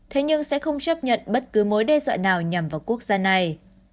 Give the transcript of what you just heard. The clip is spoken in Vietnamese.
thế nhưng sẽ không chấp nhận bất cứ mối đe dọa nào nhằm vào quốc gia này